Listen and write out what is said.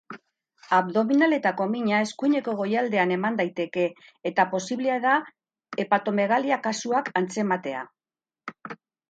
Abdominaletako mina eskuineko goialdean eman daiteke eta posible da hepatomegalia kasuak antzematea.